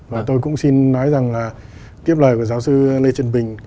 và tôi cũng xin nói rằng là tiếp lời của giáo sư lê trần bình